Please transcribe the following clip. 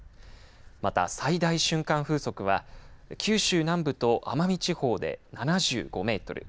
また最大瞬間風速は九州南部と奄美地方で７５メートル